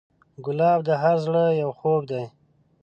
ګلاب د هر زړه یو خوب دی.